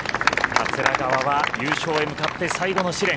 桂川は優勝へ向かって最後の試練。